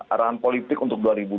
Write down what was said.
arahan politik untuk dua ribu dua puluh